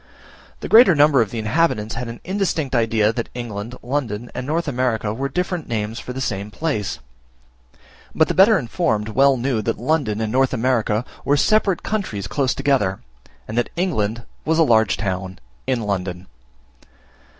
The greater number of the inhabitants had an indistinct idea that England, London, and North America, were different names for the same place; but the better informed well knew that London and North America were separate countries close together, and that England was a large town in London!